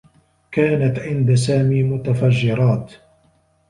كانت عند سامي متفجّرات.